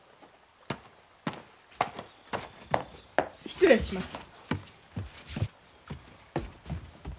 失礼します。